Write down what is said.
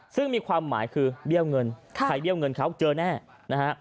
ซึ่งมีความหมายคือเบี้ยวเงินใครเบี้ยวเงินเขาเจอแน่นะฮะ